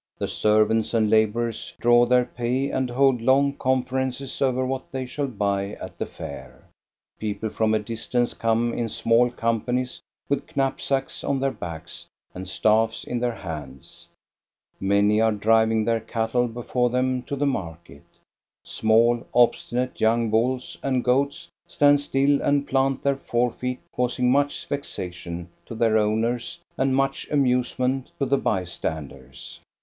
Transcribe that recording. The servants and laborers draw their pay and hold long conferences over what they shall buy at the Fair. People from a distance come in small companies with knapsacks on their backs and staffs in their hands. Many are driving their cattle before them to the market. Small, obstinate young bulls and goats stand still and plant their forefeet, causing much vexation to their owners and much amusement to the by standers.